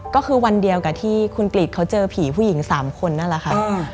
ก็คือวันเดียวกับที่คุณกริจเขาเจอผีผู้หญิง๓คนนั่นแหละค่ะ